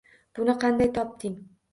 Buni qanday topding